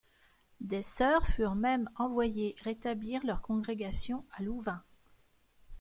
Des sœurs furent même envoyées rétablir leur congrégation à Louvain.